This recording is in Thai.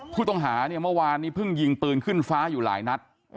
ผู้ต้องหาเนี่ยเมื่อวานนี้เพิ่งยิงปืนขึ้นฟ้าอยู่หลายนัด